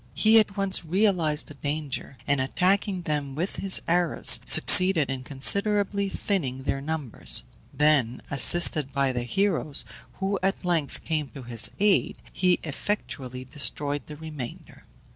He at once realized the danger, and, attacking them with his arrows, succeeded in considerably thinning their numbers; then, assisted by the heroes, who at length came to his aid, he effectually destroyed the remainder.